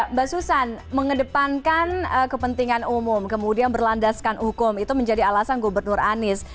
mbak susan mengedepankan kepentingan umum kemudian berlandaskan hukum itu menjadi alasan gubernur anies